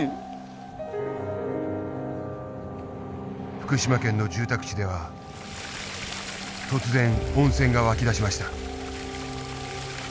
福島県の住宅地では突然温泉が湧き出しました。